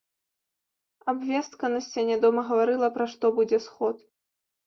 Абвестка на сцяне дома гаварыла, пра што будзе сход.